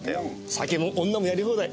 酒も女もやり放題。